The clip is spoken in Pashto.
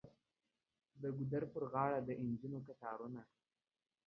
د ګودر په غاړه د نجونو کتارونه.